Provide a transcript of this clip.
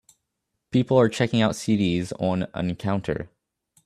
People are checking out CDs on an counter